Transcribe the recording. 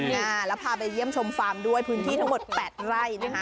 อ่าแล้วพาไปเยี่ยมชมฟาร์มด้วยพื้นที่ทั้งหมด๘ไร่นะคะ